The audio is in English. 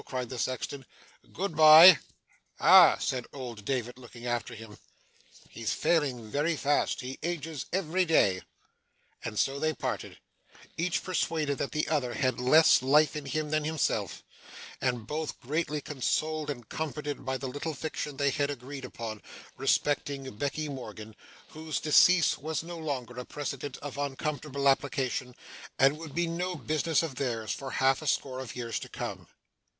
cried the sexton. 'Good bye!' 'Ah!' said old David, looking after him. 'He's failing very fast. He ages every day.' And so they parted; each persuaded that the other had less life in him than himself; and both greatly consoled and comforted by the little fiction they had agreed upon, respecting Becky Morgan, whose decease was no longer a precedent of uncomfortable application, and would be no business of theirs for half a score of years to come.